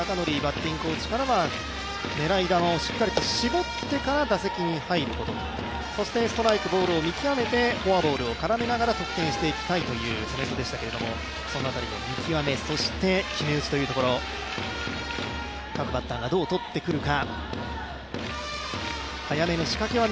鈴木尚典バッティングコーチからは、狙い球を絞ってから打席に入ること、ストライク、ボールを見極めてフォアボールを絡めながら得点していきたいというコメントでしたけれども、その辺りの見極め、そして決め打ちというところ、各バッターがどうとってくるか。